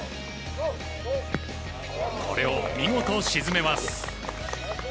これを見事沈めます。